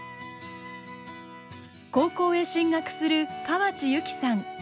高校へ進学する河内優希さん。